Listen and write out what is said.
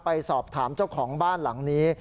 ไปสอบถามเจ้าของบ้านหลังนี้